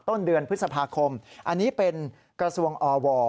ต้นเดือนพฤษภาคมอันนี้เป็นกระทรวงอว